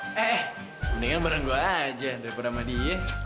eh eh mendingan bareng gue aja daripada sama dia